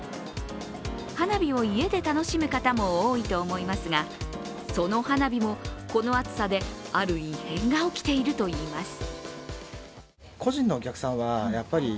花火を家で楽しむ方も多いと思いますがその花火もこの暑さである異変が起きているといいます。